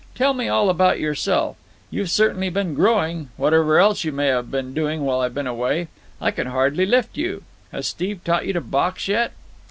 Tell me all about yourself. You've certainly been growing, whatever else you may have been doing while I've been away; I can hardly lift you. Has Steve taught you to box yet?"